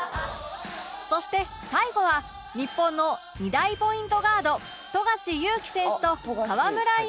そして最後は日本の２大ポイントガード富樫勇樹選手と河村勇輝選手